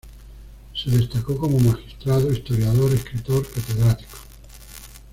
Se destacó como magistrado, historiador, escritor catedrático.